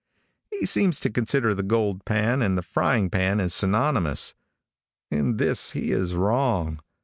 He seems to consider the gold pan and the frying pan as synonymous. In this he is wrong.